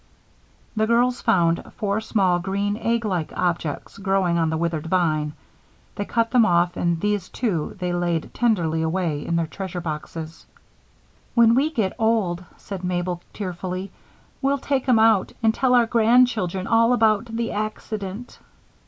The girls found four small, green, egglike objects growing on the withered vine; they cut them off and these, too, were laid tenderly away in their treasure boxes. "When we get old," said Mabel, tearfully, "we'll take 'em out and tell our grandchildren all about 'The Accident.'"